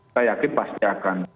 saya yakin pasti akan